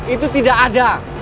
itu tidak ada